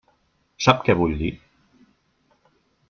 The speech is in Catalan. Sap què vull dir?